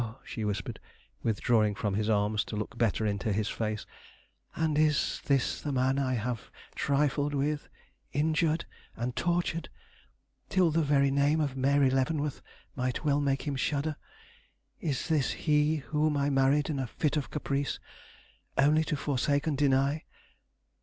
she whispered, withdrawing from his arms to look better into his face, "and is this the man I have trifled with, injured, and tortured, till the very name of Mary Leavenworth might well make him shudder? Is this he whom I married in a fit of caprice, only to forsake and deny?